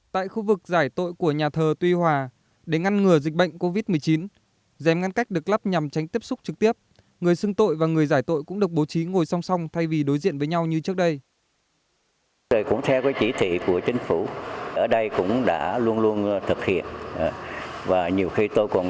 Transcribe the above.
tại khu vực giải tội của nhà thờ tuy hòa để ngăn ngừa dịch bệnh covid một mươi chín dèm ngăn cách được lắp nhằm tránh tiếp xúc trực tiếp người xưng tội và người giải tội cũng được bố trí ngồi song song thay vì đối diện với nhau như trước đây